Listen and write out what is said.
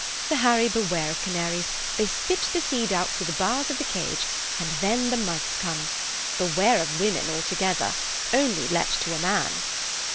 Sir Harry, beware of canaries: they spit the seed out through the bars of the cages and then the mice come. Beware of women altogether. Only let to a man."